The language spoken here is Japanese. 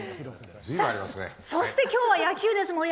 そして今日は野球です。